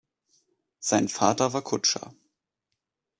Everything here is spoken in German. Sein Vater war Kutscher.